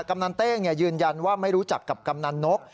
กำนันเต้งยืนยันว่าไม่รู้จักกับกำนันนก